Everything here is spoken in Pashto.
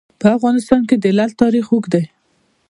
په افغانستان کې د لعل تاریخ اوږد دی.